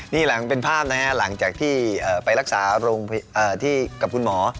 นี่เป็นภาพนะครับหลังจากที่ไปรักษากับคุณหมอ